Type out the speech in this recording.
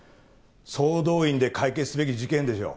総動員で解決すべき事件でしょう。